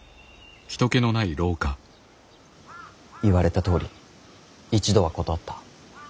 言われたとおり一度は断った。